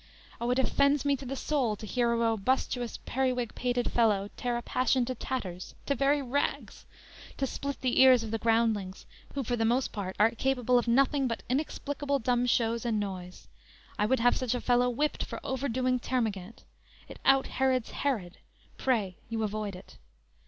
O, it offends Me to the soul to hear a robustious Periwig pated fellow, tear a passion To tatters, to very rags, to split the Ears of the groundlings, who for the most part Are capable of nothing, but inexplicable Dumb shows and noise, I would have such a fellow Whipped for overdoing Termagant; It out herods Herod; pray you avoid it.